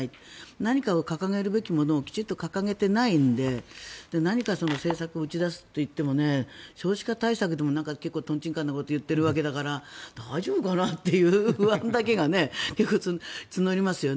何かを掲げるべきものをきちんと掲げていないので何か政策を掲げるといっても少子化対策でも結構とんちんかんなことを言っているわけだから大丈夫かなという不安だけが募りますよね